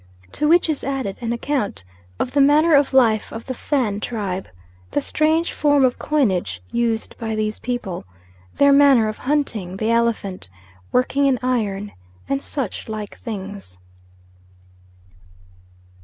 To which is added an account of the manner of life of the Fan tribe; the strange form of coinage used by these people; their manner of hunting the elephant, working in iron; and such like things.